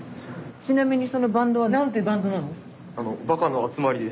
ちなみにそのバンドは何てバンドなの？